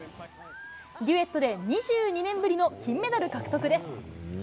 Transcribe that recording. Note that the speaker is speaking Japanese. デュエットで２２年ぶりの金メダル獲得です。